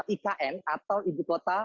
ikn atau ibu kota